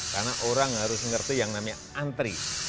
karena orang harus mengerti yang namanya antri